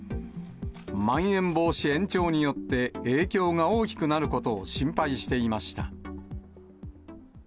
まん延防止延長によって影響が大きくなることを心配していました。